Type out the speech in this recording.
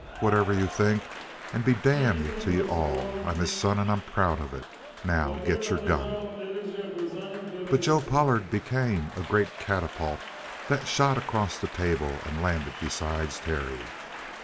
Whatever you think, and be damned to you all! I'm his son and I'm proud of it. Now get your gun!" But Joe Pollard became a great catapult that shot across the table and landed beside Terry.